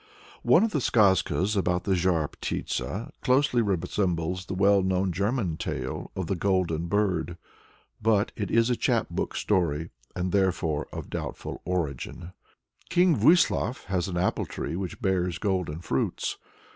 One of the skazkas about the Zhar Ptitsa closely resembles the well known German tale of the Golden Bird. But it is a "Chap book" story, and therefore of doubtful origin. King Vuislaf has an apple tree which bears golden fruits.